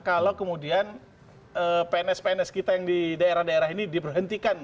kalau kemudian pns pns kita yang di daerah daerah ini diberhentikan